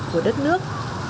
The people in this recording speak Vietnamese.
của đất nước